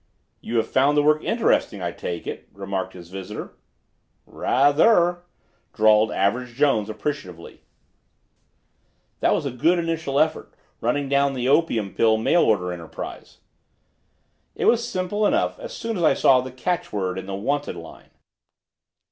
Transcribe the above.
"You have found the work interesting, I take it," remarked the visitor. "Ra—ather," drawled Average Jones appreciatively. "That was a good initial effort, running down the opium pill mail order enterprise." "It was simple enough as soon as I saw the catchword in the 'Wanted' line."